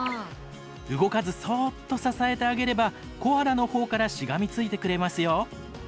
動かずそっと支えてあげればコアラの方からしがみついてくれますよ。